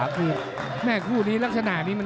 ถูกแม่คู่นี้ลักษณะนี้